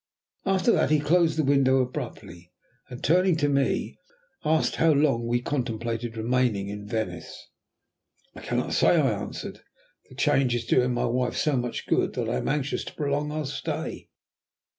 After that he closed the window abruptly, and turning to me, asked how long we contemplated remaining in Venice. "I cannot say yet," I answered, "the change is doing my wife so much good that I am anxious to prolong our stay.